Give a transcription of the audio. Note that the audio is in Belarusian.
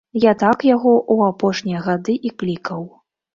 Я так яго ў апошнія гады і клікаў.